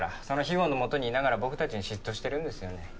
そのひごのもとにいながら僕たちに嫉妬してるんですよね。